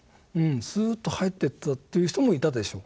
スーッと入っていったという人もいたでしょう。